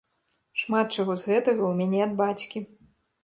Шмат чаго з гэтага ў мяне ад бацькі.